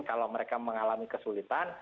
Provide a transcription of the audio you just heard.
kalau mereka mengalami kesulitan